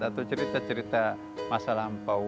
atau cerita cerita masa lampau